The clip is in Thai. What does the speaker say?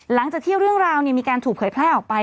หลังจากที่เรื่องราวมีการถูกเผยแพร่ออกไป